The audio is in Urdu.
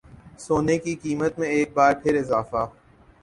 سونے کی قیمت میں ایک بار پھر اضافہ